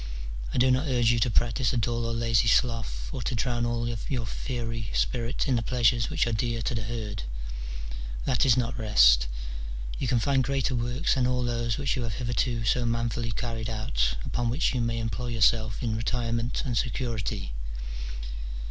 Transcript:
I do not urge you to practise a dull or lazy sloth, or to drown all your fiery spirit in the pleasures which are dear to the herd : that is not rest : you can find greater works than all those which you have hitherto so manfully carried out, upon which you may employ yourself in retirement and security.